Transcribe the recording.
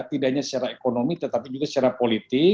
tidak hanya secara ekonomi tetapi juga secara politik